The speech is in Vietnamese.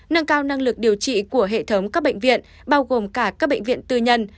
nâng cao năng lực điều trị của hệ thống các bệnh viện bao gồm cả các bệnh viện tư nhân